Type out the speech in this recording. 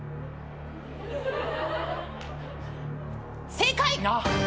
正解！